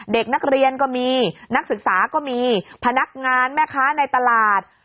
เด็กนักเรียนก็มีนักศึกษาก็มีพนักงานแม่ค้าในตลาด